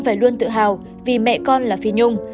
phải luôn tự hào vì mẹ con là phi nhung